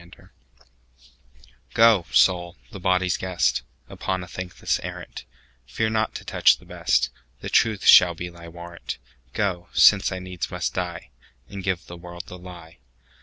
The Lie GO, Soul, the body's guest, Upon a thankless arrant:Fear not to touch the best; The truth shall be thy warrant:Go, since I needs must die, And give the world the lie.